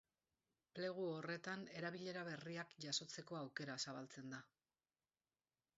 Plegu horretan erabilera berriak jasotzeko aukera zabaltzen da.